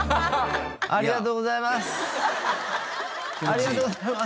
ありがとうございます！